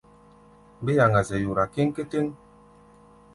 Mbé yaŋa-zɛ yora kéŋkétéŋ.